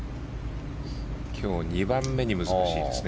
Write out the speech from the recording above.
今日２番目に難しいですね。